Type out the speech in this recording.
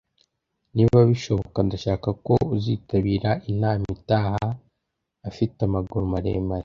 niba bishoboka, ndashaka ko uzitabira inama itaha.afite amaguru maremare